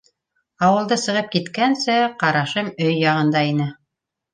Ауылды сығып киткәнсе, ҡарашым өй яғында ине.